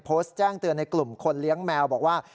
โพสต์แจ้งเตือนในกลุ่มคนเลี้ยงแมวบอกว่า